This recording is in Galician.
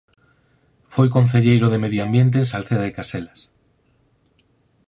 Foi concelleiro de medio ambiente en Salceda de Caselas.